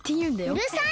うるさい！